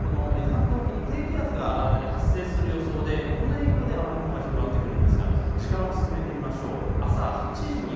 静岡県の伊豆半島沖に低気圧が新たに発生する予想でこの影響で雨雲が広がってくるんですが時間を進めてみましょう。